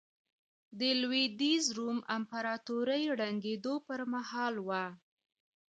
د لوېدیځ روم امپراتورۍ ړنګېدو پرمهال وه.